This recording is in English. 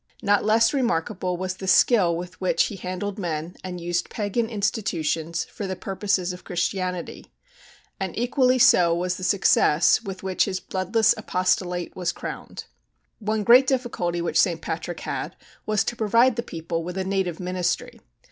Not less remarkable was the skill with which he handled men and used pagan institutions for the purposes of Christianity; and equally so was the success with which his bloodless apostolate was crowned. One great difficulty which St. Patrick had was to provide the people with a native ministry.